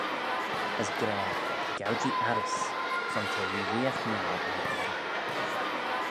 As gra, gow-jee arrys: son ta reeriaght niau er-gerrey.